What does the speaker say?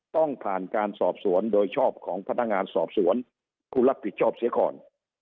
ต้องผ่านการสอบสวนโดยชอบของพนักงานสอบสวนคุณรับผิดชอบเสียก่อน